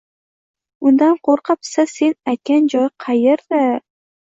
Undan qo`rqa-pisa Sen aytgan joy qaerda